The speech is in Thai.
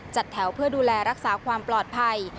จัดแถวเพื่อดูแลรักษาความปลอดภัย